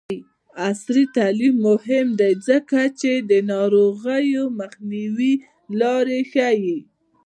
عصري تعلیم مهم دی ځکه چې د ناروغیو مخنیوي لارې ښيي.